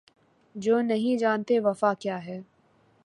جو نہیں جانتے وفا کیا ہے